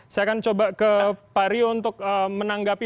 saya akan coba ke pak rio untuk menanggapi